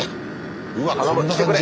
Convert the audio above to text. うわっこんな感じ。